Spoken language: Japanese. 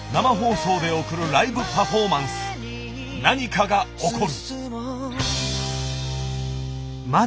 何かが起こる。